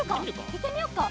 いってみよっか！